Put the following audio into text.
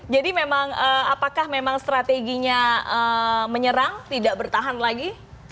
jadi memang apakah memang strateginya menyerang tidak bertahan lagi